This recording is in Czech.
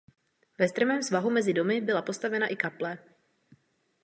Ve strmém svahu mezi domy byla postavena i kaple.